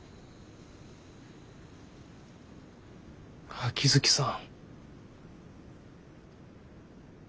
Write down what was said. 秋月さん。